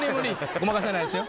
ごまかせないですよ。